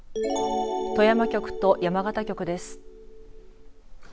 富山局と山形局です。